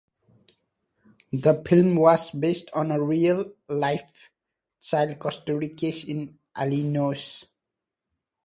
The film was based on a real life child-custody case in Illinois.